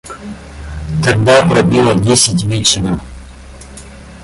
Тогда пробило десять вечера.